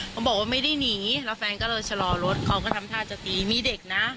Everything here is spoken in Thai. บอกว่าไม่ได้หนีแล้วแฟนก็เลยชะลอรถเขาก็ทำท่าจะตีมีเด็กนะ